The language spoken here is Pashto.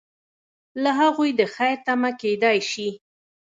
له هغوی د خیر تمه کیدای شي.